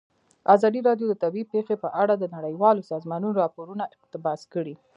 ازادي راډیو د طبیعي پېښې په اړه د نړیوالو سازمانونو راپورونه اقتباس کړي.